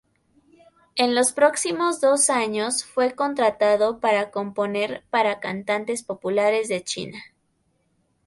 En los próximos dos años, fue contratado para componer para cantantes populares de China.